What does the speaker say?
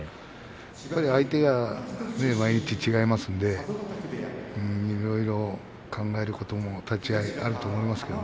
相手が毎日、違いますからいろいろ考えることも立ち合いあると思います。